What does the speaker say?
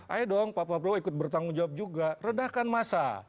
ayo dong pak prabowo ikut bertanggung jawab juga redakan massa